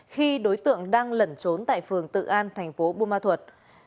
khi đối tượng đang lẩn trốn tại phường tự an thành phố bùa ma thuật